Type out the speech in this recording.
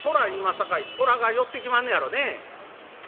さかいトラが寄ってきまんのやろね」。